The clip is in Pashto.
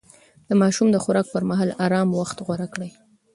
د ماشوم د خوراک پر مهال ارام وخت غوره کړئ.